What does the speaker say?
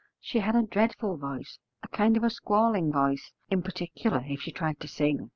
She had a dreadful voice, a kind of a squalling voice, in particular if she tried to sing.